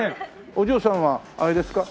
お嬢さんはあれですか？